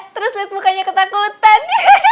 terus liat mukanya ketakutan